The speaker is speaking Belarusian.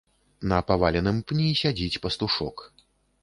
На паваленым пні сядзіць пастушок.